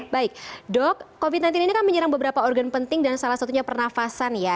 baik dok covid sembilan belas ini kan menyerang beberapa organ penting dan salah satunya pernafasan ya